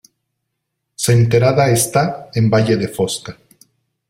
Senterada está en Valle de Fosca.